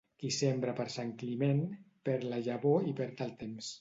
Qui sembra per Sant Climent, perd la llavor i perd el temps.